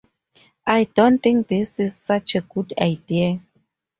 I don't think this is such a good idea.